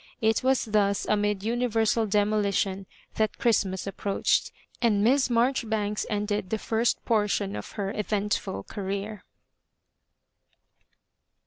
It was thus amid universal demolition that Christ mas approached, and Miss Marjoribanks ended the first portion of her eventful career.